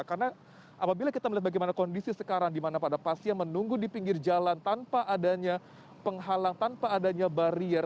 karena apabila kita melihat bagaimana kondisi sekarang dimana pada pasien menunggu di pinggir jalan tanpa adanya penghalang tanpa adanya barier